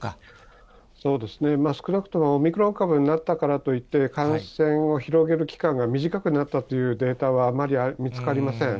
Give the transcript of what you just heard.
少なくとも、オミクロン株になったからといって、感染を広げる期間が短くなったというデータはあまり見つかりません。